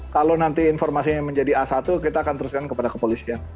kalau nanti informasinya menjadi a satu kita akan teruskan kepada kepolisian